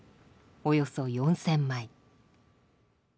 およそ４，０００枚。